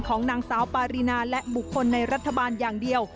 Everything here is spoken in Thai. ของนางสาวปารีนาและบุคคลในรัฐบาลอย่างเดียว